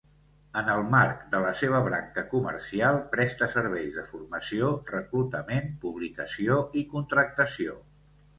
En el marc de la seva branca comercial, presta serveis de formació, reclutament, publicació i contractació.